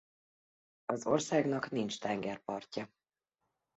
Az országnak nincs tengerpartja.